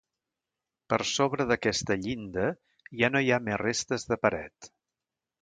Per sobre d'aquesta llinda ja no hi ha més restes de paret.